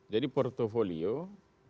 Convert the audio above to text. jadi portfolio kemudian program